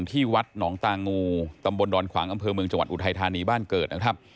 ที่วัดหนองตางูตำบลดอนขวางอำเภอเมืองจังหวัดอุทัยธานีบ้านเกิดนะครับ